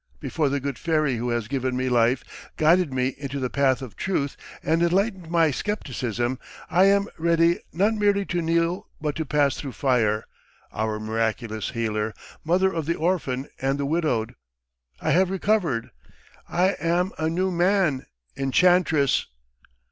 Before the good fairy who has given me life, guided me into the path of truth, and enlightened my scepticism I am ready not merely to kneel but to pass through fire, our miraculous healer, mother of the orphan and the widowed! I have recovered. I am a new man, enchantress!"